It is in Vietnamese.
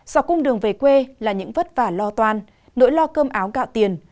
sọc cung đường về quê là những vất vả lo toan nỗi lo cơm áo gạo tiền